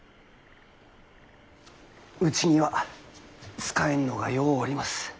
うちには使えんのがようおります。